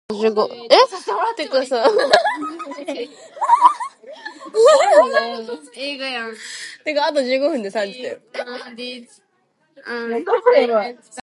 The study of polychromatics is particularly useful in the production of diffraction gratings.